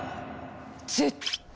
絶対！